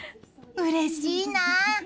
うれしいな！